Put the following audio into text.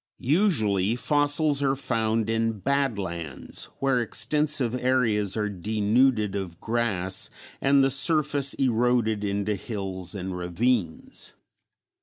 Usually fossils are found in "bad lands," where extensive areas are denuded of grass and the surface eroded into hills and ravines.